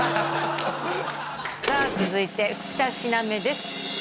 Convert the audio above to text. さあ続いて二品目です